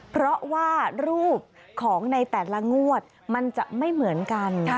เพราะว่ารูปของในแต่ละงวดมันจะไม่เหมือนกัน